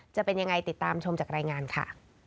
จะเป็นยังไงติดตามชมจากรายงานค่ะ